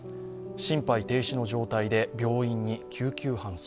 心肺停止の状態で病院に救急搬送。